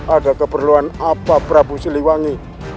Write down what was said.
ada keperluan apa prabu siliwangi